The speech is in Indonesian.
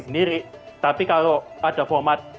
sendiri tapi kalau ada format